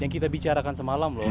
yang kita bicarakan semalam loh